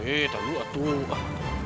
eh taruh dulu atuh